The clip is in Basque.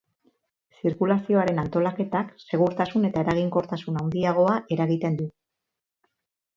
Zirkulazioaren antolaketak segurtasun eta eraginkortasun handiagoa eragiten du.